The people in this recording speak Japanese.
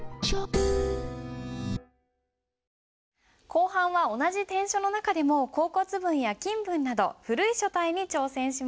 後半は同じ篆書の中でも甲骨文や金文など古い書体に挑戦しましょう。